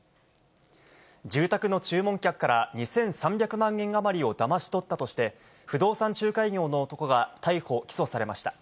住宅の注文客から２３００万円余りをだまし取ったとして、不動産仲介業の男が逮捕・起訴されました。